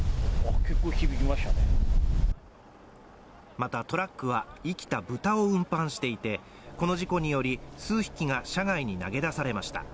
またトラックは生きた豚を運搬していて、この事故により、数匹が車外に投げ出されました。